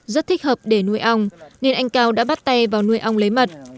rất thích hợp để nuôi ông nên anh cao đã bắt tay vào nuôi ông lấy mật